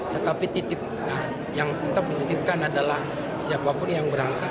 tetapi yang tetap dititipkan adalah siapapun yang berangkat